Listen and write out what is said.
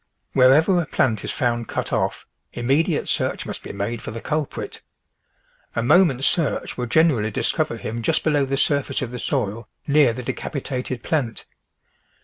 Wherever a plant is found cut off, immediate search must be made for the cul prit. A moment's search will generally discover him just below the surface of the soil near the de cai:)itated plant.